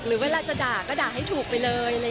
เวลาจะด่าก็ด่าให้ถูกไปเลย